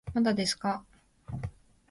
まだですかー